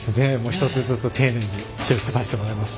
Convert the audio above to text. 一つずつ丁寧に修復させてもらいます。